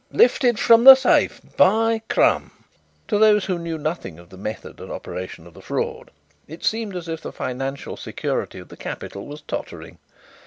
"Lifted from 'The Safe,' by crumb!" To those who knew nothing of the method and operation of the fraud it seemed as if the financial security of the Capital was tottering.